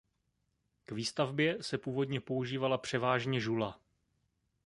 K výstavbě se původně používala převážně žula.